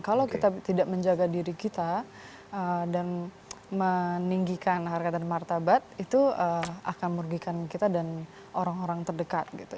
kalau kita tidak menjaga diri kita dan meninggikan harga dan martabat itu akan merugikan kita dan orang orang terdekat gitu